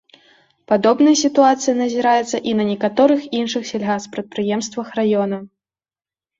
Падобная сітуацыя назіраецца і на некаторых іншых сельгаспрадпрыемствах раёна.